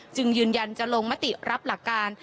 จึงยืนยันจะลงมติรับหลักการ